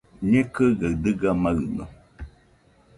Ñekɨgaɨ dɨga maɨno